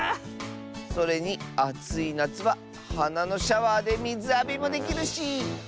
それにあついなつははなのシャワーでみずあびもできるし。